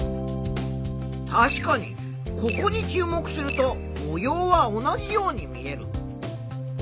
確かにここに注目すると模様は同じように見える。